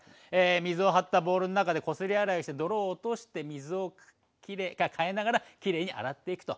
水を張ったボウルの中でこすり洗いをして泥を落として水を替えながらきれいに洗っていくと。